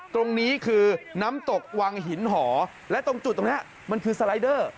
ตรงนี้คือน้ำตกวังหินหอและตรงจุดตรงนี้มันคือสไลเดอร์